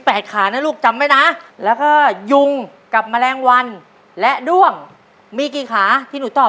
ขานะลูกจำไว้นะแล้วก็ยุงกับแมลงวันและด้วงมีกี่ขาที่หนูตอบ